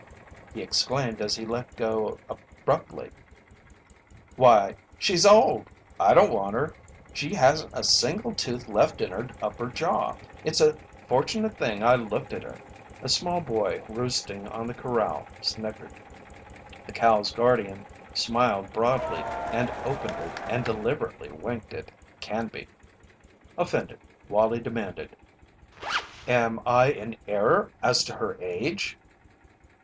He exclaimed as he let go abruptly: "Why she's old! I don't want her. She hasn't a single tooth left in her upper jaw. It's a fortunate thing I looked at her." A small boy roosting on the corral snickered. The cow's guardian smiled broadly and openly and deliberately winked at Canby. Offended, Wallie demanded: "Am I in error as to her age?"